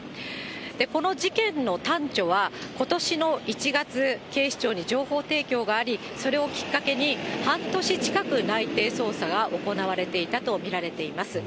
この事件の端緒は、ことしの１月、警視庁に情報提供があり、それをきっかけに、半年近く内偵捜査が行われていたとみられています。